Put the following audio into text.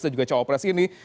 dan juga jawa pres ini